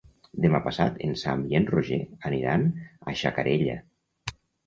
Demà passat en Sam i en Roger aniran a Xacarella.